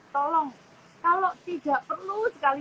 tolong kalau tidak perlu sekali